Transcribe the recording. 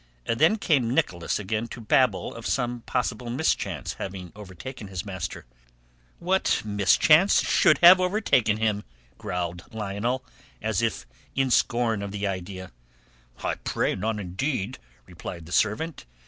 Then came Nicholas again to babble of some possible mischance having overtaken his master. "What mischance should have overtaken him?" growled Lionel, as if in scorn of the idea. "I pray none indeed," replied the servant.